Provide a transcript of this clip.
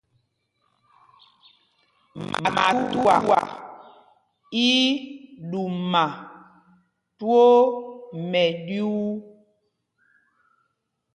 Matuá í í ɗuma twóó mɛɗyuu.